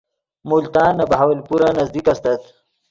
ملتان نے بہاولپورن نزدیک استت